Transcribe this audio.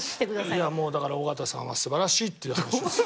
いやだから緒方さんは素晴らしいっていう話ですよ。